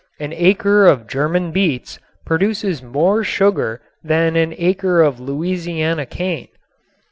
An acre of German beets produces more sugar than an acre of Louisiana cane.